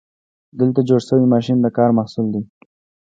دلته جوړ شوی ماشین د کار محصول دی.